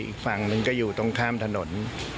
อีกฝั่งหนึ่งก็อยู่ตรงข้ามถนน